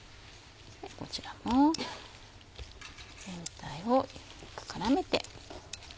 こちらも全体をよく絡めて。